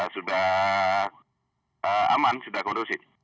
sudah aman sudah kondusif